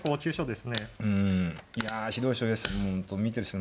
いやひどい将棋でしたね。